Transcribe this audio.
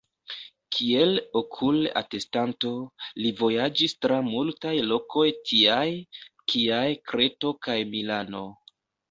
Kiel okul-atestanto, li vojaĝis tra multaj lokoj tiaj kiaj Kreto kaj Milano.